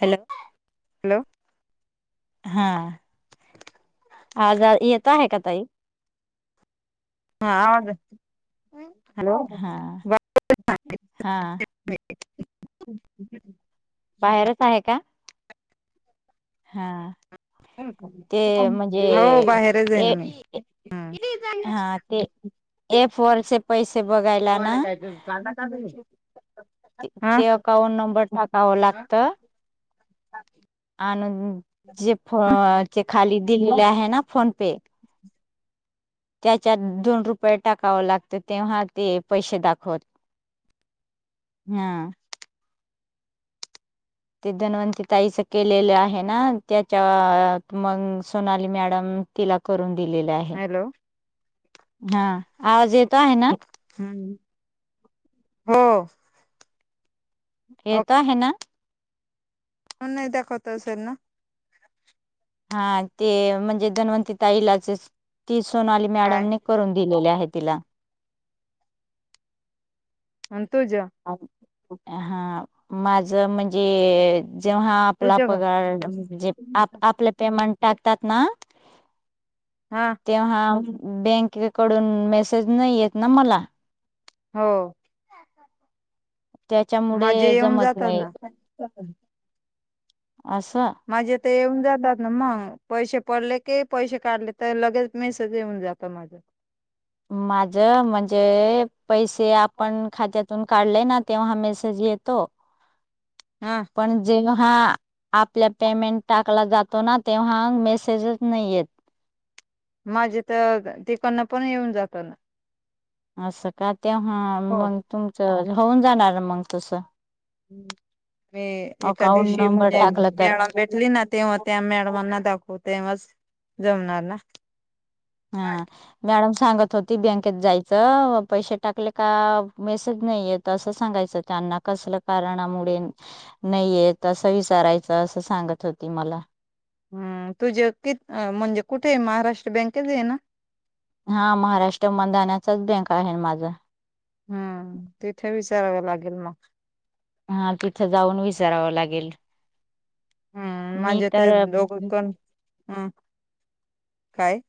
Hello hello हा आवाज येता ह का ताई हा अग हा हा बाहेरचं आहे का हा ते म्हणजे हो बाहेरच आहे ना ए मी हा ते ए फोर चे पैसे? बघायला तु आणि ना काय तर कांदा काप ये. ते अकाउंट नंबर टाकाव लागत. आणून जे फ खाली दिलेले आहे ना फोन पे. त्याच्यात दोन रुपये टाकावं लागतं तेव्हा ते पैशे दाखवत. [inaudible] हा ते धन्वंतरी ताईच केलेलं आहे ना त्याच्या मंग सोनाली मॅडम. तिला करून दिलेल आहे. हॅलो हा, आवाज येतो आहे ना? छान हो येत आहे ना? होन नाही दाखवतो असन ना हा ते म्हणजे धन्वती ताईलाच च तीच सोनाली मॅडम काय ने करून दिलेले आहे तिला. तुझ हा माझ म्हणजे जेव्हा आपला तुझ ग पगार म्हणजे आप आपल पेमेंट टाक. त्यांना हा तेव्हा बँकेकडून मेसेज नाही येत ना मला. हो त्याच्यामुडे माझे येऊन जमत जातात नाहीय. ना माजे [unintelligible] जातात ना मग पैसे पडले की पैसे काढले तर लगेच मेसेज येऊन जातो माझा. माझ म्हणजे पैसे आपण खात्यात. पण काढले ना तेव्हा मेसेज येतो हा पण जेव्हा हा आपल्या पेमेंट टाकला जातो ना तेव्हा मेसेजच नाही येत. माझे तर तिकडंन पण येऊन जातात. असं का तेव्हा हो मग तुमचं होऊन जाणार मग तसं. हम्म मी एका अकाउंट दिवशी नंबर म्हणजे टाकला तर मॅडम भेटली ना, तेव्हा त्या मॅडमांना दाखव तेव्हाच. जमणार ना. हा मॅडम सांगत होती बँकेत जायचं, पैसे टाकले का मेसेज नाही येत असं सांगायचं त्या ना कसल्या कारणामुळे नाहीयेत असं विचारायचं, असं सांगत होती मला. हम्म बँकच ये ना? हा महाराष्ट्र मदानाचाच बँक आहे ना माझा. हम्म तिथे विचारवं लागेल मग. हा तिथं जाऊन विचारावं लागेल. हम्म मी म्हणजे तर ते दोघंपण, हम्म.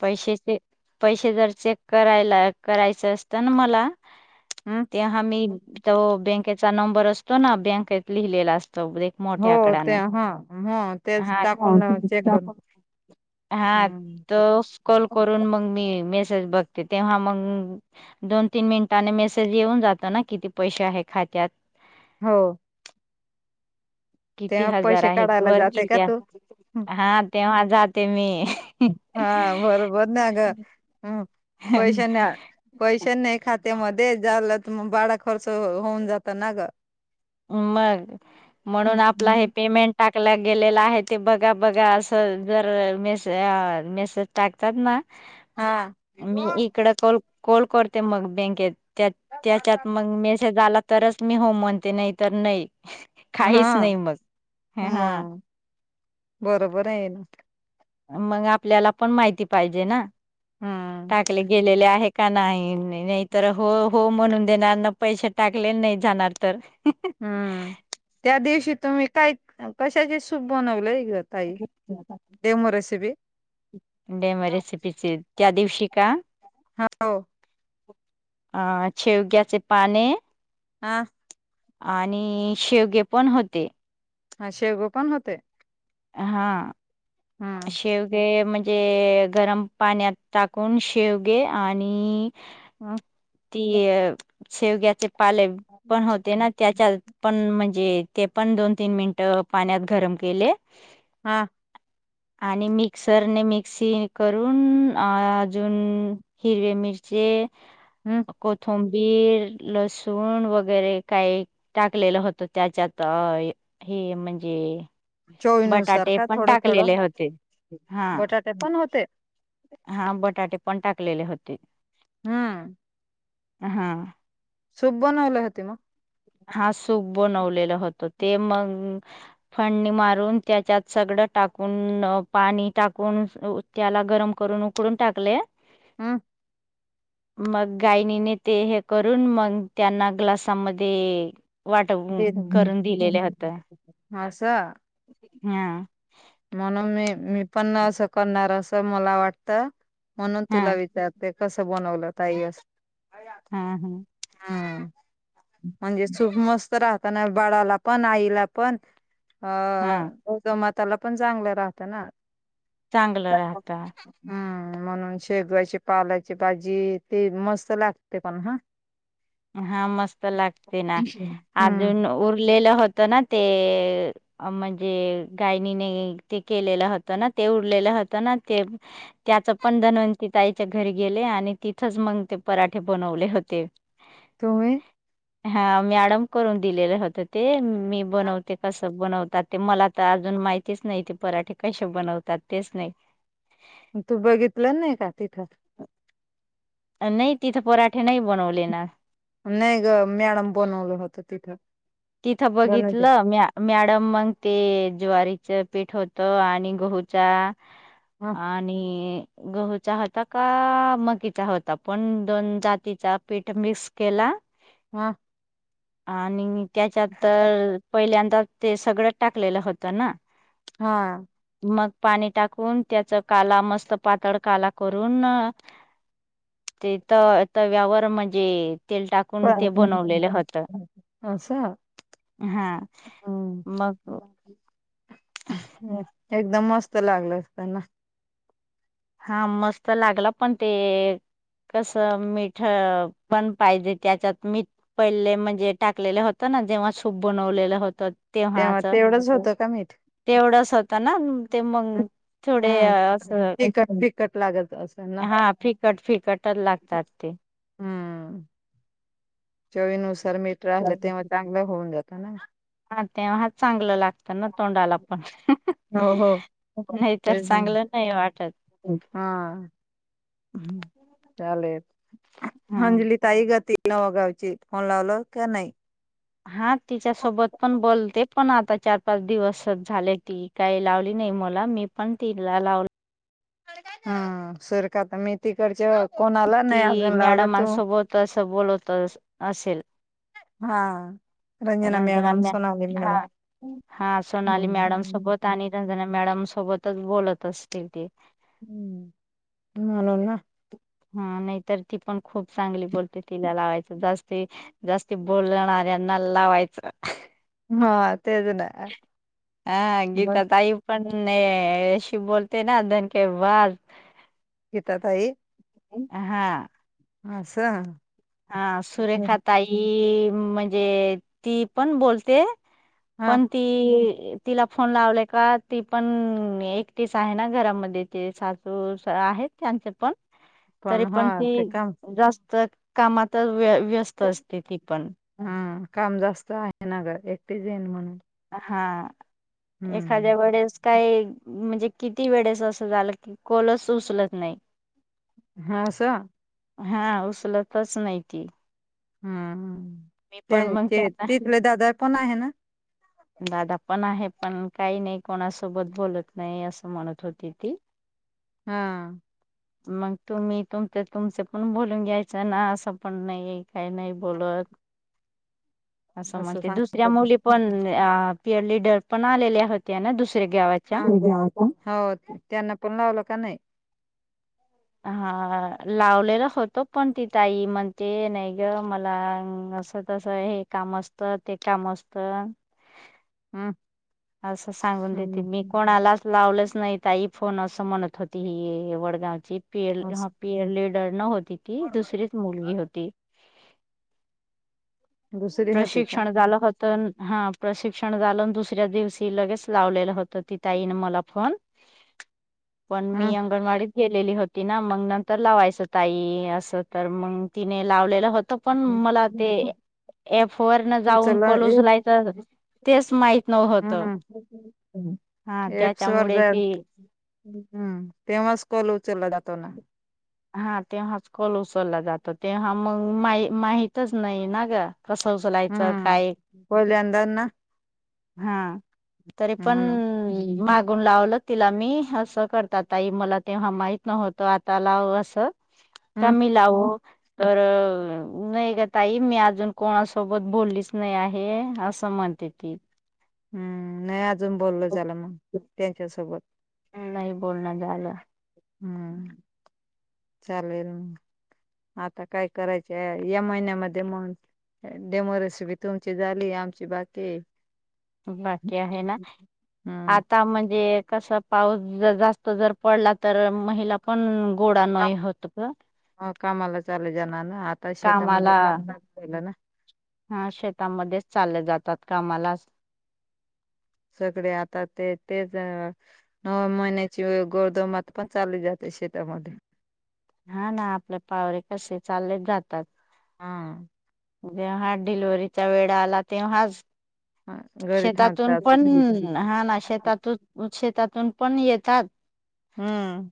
पैसेचे पैशे जर चेक करायला करायचं असतं ना मला हम् तेव्हा मी तो बँकेचा नंबर असतो ना बँकेत लिहिलेला एक हो मोठ्या ते आकडाने हा ह तेच हा हो टाकून ते चेक करून. हम्म. त ऊस कॉल करून मग मी मेस च बघते. तेव्हा मग दोन तीन मिनिटांनी मेसेज येऊन जातो ना, किती पैसे आहे खात्या त्यात हो. किती तेव्हा हजार पैसे आहेत काढायला वर जाते की का त्या, तू हा तेव्हा जाते मी. हा बरोबर ना ग पैशे ना पैशे नाही खात. खात्यामध्ये झालं त मग बाडा खर्च होऊन जातो ना ग. मग म्हणून आपलं हे हम्म पेमेंट टा टकला गेलेला आहे ते बघा बघा असं जर मेसे मेसेज टाकतात ना हा मी इकड कोल कोलकोते मग बँकेत त्यात त्याच्यात मग मेसेज आला तरच मी हो म्हणते नाही तरर नाही काहीच नाही हा मग हा मग बरोबर आहे ये ना मग आपल्याला पण माहिती पाहिजे ना हम्म टाकले गेलेले आहे का नाही नाही तर हो हो म्हणून देणार ना पैसे टाकलेले नाही जाणार तर हम्म त्या दिवशी तुम्ही काय कशाचे सूप बनवलंय ग ताई [unintelligible] डेमो रेसिपी डेमो रेसिपीचे त्या दिवशी का हो अ शेवग्याचे पाने हा आणि शेवगे पण होते हा शेवगो पण होते हा हम्म शेवगे म्हणजे जे गरम पाण्यात टाकून शेवगे आणि हा ती शेवग्याचे पाले पण होते ना त्याच्यात पण म्हणजे ते पण दोन तीन मिनट पाण्यात गरम केले हा आणि मिक्सरने मिक्सी करून अ अजून हिरवे मिर हम्म कोथम बीर लसूण वगैरे काही टाकलेलं होतं त्याच्यात ते म्हणजे चोवीनुसार बटाटे का पण थोडं टाकलेले थोडं होते हा बटाटे पण होते हा बटाटे पण टाकलेले होते हम्म हा सुप बनवल्या होती मग हा सुप बनवलेल होत ते मग फणणी मारून त्याच्यात सगळ टाकून पाणी टाकून त्याला गरम करून उकडून टाकले हम मग गायनीने ते हे करून मग त्यांना ग्लासामध्ये वाट करून दिलेलं होत असं हम म्हणून मी मी पण नं करणार असं मला वाटत म्हणून हा तुला विचारते कसं बनवलं ताई अस हा हा हम् म्हणजे सूप मस्त राहताना बाळाला पण आईला पण अ हा जमाताला पण चांगलं राहतं ना चांगलं राहत हम्म म्हणून शेगवाची पालाची भाजी ते मस्त लागते पण हा हा मस्त लागते ना हम्म अजून उरलेलं होत होत ना ते म्हणजे गायनीने ते केलेलं होत ना ते उरलेलं त्या पण नवती ताईच्या घरी गे आणि तिथच मग ते पराठे ब बनवले होते तुम्ही हा मॅडम करून दिलेलं होत ते मी बनवते कस बनवतात ते मला तर अजून माहितीच नाही, ते पराठे कसे बनवतात तेच नाही तू बघितलं नाही का तिथं? [inaudible] नाही तिथं पराठे नाही बनवलेणा. नाही ग मॅडम बनवलं होतं तिथं. तिथं बनवते बघितलं म मॅडम मग ते ज्वारीच पीठ होतं आणि गहूचा हा आणि गहूचा होता का मकीचा होता पण दोन जातीचा पीठ मिक्स केला हा. आणि त्याच्यात तर पहिल्यांदा ते सगळं टाकलेलं होतं ना. हा. मग पाणी टाकून त्याच काला मस्त पातळ काला करून ते त तव्यावर म्हणजे तेल टाकून ते बनवलेलं होत. असं हा हम्म. मग एकदम मस्त लागल असतना. हा मस्त लागला, पण ते कस मीठ पण पाहिजे त्याच्यात, मीठ पहिले म्हणजे टाकलेलं होत जेव्हा सूप बनवलेलं होत तेव्हा तेव्हाच तेवढंच होतं का मीठ तेवढस ना. ते मग थोडे हम्म असं तिखट तिखट लागत असेल ना हा फिकट फिकटच लागतात ते. हम्म चवीनुसार मीठ राहिलं, तेव्हा चांगलं होऊन जातं ना. तेव्हाच चांगलं लाग तना तोंडला पण, हो हो नाही तर तेच ना. चांगलं नाही वाटत. हा. हम्म. चालेल. अंजली ताई ग ती वगावचित फोन लावलो काय नई. हा तिच्यासोबत पण बोलते. पण आता चार पाच दिवस झाले ती काही लावली नाही मला मी पण तिला लावल हा सुरख तर मेथी कच्या ती मॅडमांसोबत अस बोलत असेल हा मॅडम, रंजना सोनाली मॅडम हा हा सोनाली मॅडम सुपोत हम्म. आणि रंजना मॅडम सोबतच बोलत असते तेी हम्म म्हण ना ह नाही तर ती पण खूप चांगली बोलते तिला लावायचं जास् जास्ती बोलणाऱ्यांना हल् लावा्हायचं हा तेच ना हा मग गीता ताई पण शिव बोलते ना धन के वाज यिेत ताई हा अस सं हा सुरेखा ताई म्हणजे ती पण बोलते हा पण ती तिला फोन लावल्या का ती पण एकटीस आहे ना घरामध्ये ते सासू आहेत त्यांचे पण तरी हा पण ते ती काम जास्त कामात व हम् काम जास्त आहे ना ग एकटीच येईन म्हणून हा हम्म एखाद्या वेळेस काही म्हणजे किती वेळेस असं झालं की कॉलच उचलत नाही हा अस हा उचलतच नाही ती हम् मी पण मग त्यांचे त्यांना तिथले दादा पण आहे ना दादा पण आहे पण काही नाही कोणासोबत बोलत नाही असं म्हणत होती ती हा मग तुम्ही तुम तुमचे पण बोलून घ्यायचं ना असं पण नाही काही नाही बोलत [inaudible] असं म्हणते सांगत दुसऱ्या होते मुली पण त्या लिडर पण आलेल्या होत्या ना दुसऱ्या गावाच्या. हो त्यांना पण लावलं का नाही हा लावलेला होतो पण ती ताई म्हणते नाही ग मला तस तस हे काम असतं ते काम असत हम् असं सांगून देते मी कोणाला लावलंच नाही ताई फोन असं म्हणत होती ही वडगावची पी एल ह असं पी न होती ती दुसरीच मुलगी होती दुसरी होती का प्रशिक्षण झालं होत तर हा प्रशिक्षण झालं दुसऱ्या दिवशी लगेच लावलेलं होतं ति ताईने मला फोन [inaudible] पण हम्म मी अंगणवाडी गेलेली होती ना मग नंतर लावायचं ताई असं तर मग तिने लावलेलं होत आता पण मला ते ॲप वर जाऊन उचलला कॉल एप्स उचलायच तेच माहिती हम्म [unintelligible] हा त्याच्यामुळे जा ती हम्म तेव्हाच कोल उचलला जातो ना हा तेव्हाच कॉल उचलला जातो तेव्हा मग मा माहीतच नाही ना ग कसं उचलायचं काय हम्म पहिल्यांदा ना हा तरी पण म्हणून फोन लावलं तिला मी. असं करतात ताई मला तेव्हा माहीत नव्हतं. आता लाव असं का हम्म मी लावू. तर नाही ग ताई मी अजून कोणासोबत बोललीच नाही आहे. असं म्हण. ते ती हम्म नाही अजून बोलल झालं मग त्यांच्या सोबत. नाही बोलणं झालं. हम्म चालेल. आता काय करायचं या महिन्यामध्ये म्हण डेमो रेसीपी तुमची झाली आमची बाकी आहे. बाकी आहे ना. हम्म आता म्हणजे कस पाऊस जास्त जर पडला तर महिला पण गोडा नाही होत ग ह कामाला चाले जाणार ना आता शेतामध्ये कामाला काम लागल. हा शेतामध्येच चालले जातात कामाला. सगळे आता ते तेच, नऊ महिन्याची गरोदर माता पण चालली जाते. शेतामध्ये हा ना आपले पावरे कसे चाललेच जातात. हा जेव्हा डिलिव्हरी चा वेळ आला तेव्हाच घरी शेतातून थांबतात पण हा ना शेतातून श त्यातून पण येतात. हम्म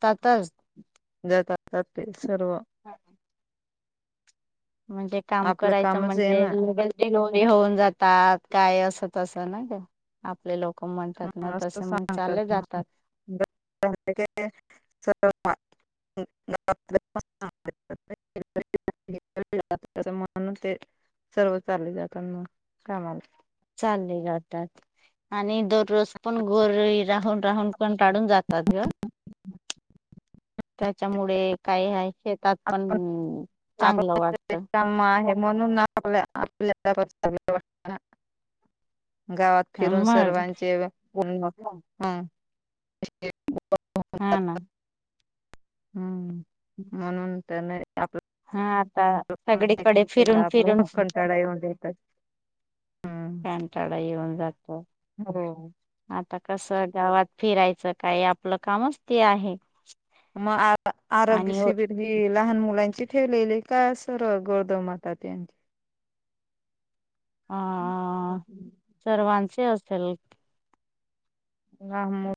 [unintelligible] जातात हप्ते सर्व म्हणजे काम आपलं करायचं कामच आहे म्हंणजे ना होऊन जातात काय असं तस ना ग आपले लोक [unintelligible] [inaudible] म्हणतात ना तसे मग चालले जातात म्हणुन ते सर्व चालले जातात मग कामाला चालली जातात. आणि दररोज पण घरी राहून राहून कंटाळून जातात ग. त्याच्यामुळे काय हाय [unintelligible] वाटतं [unintelligible] गावात फिरून मग सर्वांचे ह हा ना हम्म म्हणून तर नाही. आपला हा आता सगळीकडे फिरून एकदा फिरून आपला कंटाळा येऊन जातात. हम्म कंटाळा येवुन जात हो आता कसं गावात फिरायचं काय, आपलं कामच ते आहे. मग आ आरोग्य आणि शिबिर ही लहान मुलांची ठेवलेले काय सर्व गोर्दमा तात्यांनी. अ सर्वांचे असेल. [unintelligible]